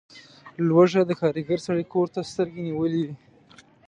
لوږه د کارګر سړي کور ته سترګې نیولي وي.